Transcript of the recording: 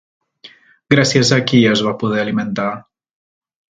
Gràcies a qui es va poder alimentar?